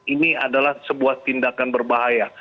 ini adalah sebuah tindakan berbahaya